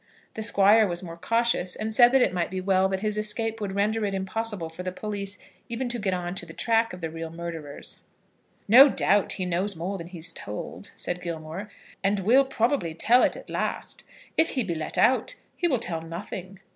The Squire was more cautious, and said that it might well be that his escape would render it impossible for the police even to get on the track of the real murderers. "No doubt, he knows more than he has told," said Gilmore, "and will probably tell it at last. If he be let out, he will tell nothing."